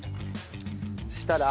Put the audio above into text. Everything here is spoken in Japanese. そしたら？